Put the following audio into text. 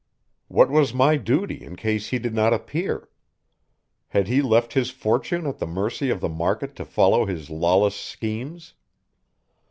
What was my duty in case he did not appear? Had he left his fortune at the mercy of the market to follow his lawless schemes?